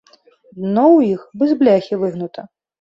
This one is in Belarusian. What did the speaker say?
Дно ў іх бы з бляхі выгнута.